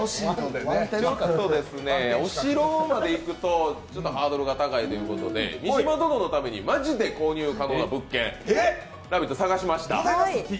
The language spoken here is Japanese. お城までいくとハードルが高いということで三島殿のために、マジで購入可能な物件、調べました。